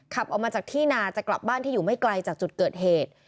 ขับออกมาจากที่นาจะกลับบ้านที่อยู่ไม่ไกลจากจุดเกิดเหตุ